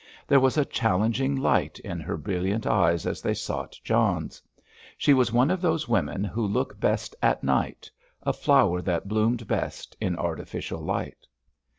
There was a challenging light in her brilliant eyes as they sought John's. She was one of those women who look best at night, a flower that bloomed best in artificial light.